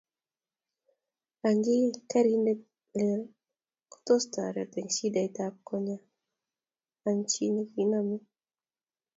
Ang ii! karit nelel kotos tareti eng shidait ab konye Ang chi nikikome?